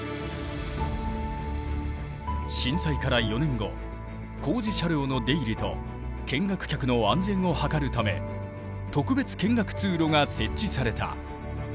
震災から４年後工事車両の出入りと見学客の安全を図るため特別見学通路が設置された。